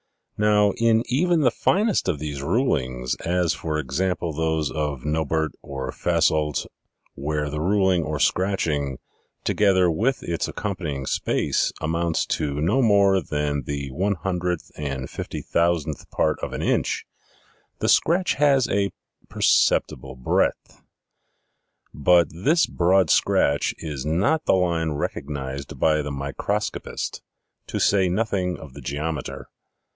Now, in even the finest of these rulings, as, for example, those of Nobert or Fasoldt, where the ruling or scratching, together with its accompanying space, amounts to no more than the one hundred and fifty thou sandth part of an inch, the scratch has a perceptible breadth. But this broad scratch is not the line recognized by the microscopist, to say nothing of the geometer.